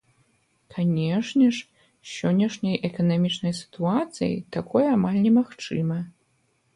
Канешне ж, з сённяшняй эканамічнай сітуацыяй такое амаль немагчыма.